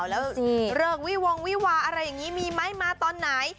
แล้วเรื่องวิวงวิวาอะไรอย่างนี้มีไหมมาตอนไหน